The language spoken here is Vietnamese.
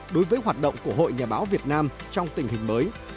đối với hoạt động của hội nhà báo việt nam trong tình hình mới